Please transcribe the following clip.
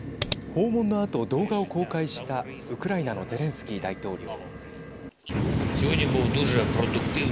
訪問のあと動画を公開したウクライナのゼレンスキー大統領。